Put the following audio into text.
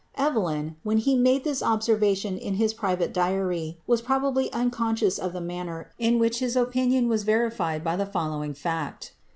Evelyn, when he made this observation in his pn vate diary, was probably unconscious of the manner in which his ofN nion was verified by the following fact.